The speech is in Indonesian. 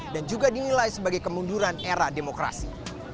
dan juga dinilai sebagai kemunduran era demokrasi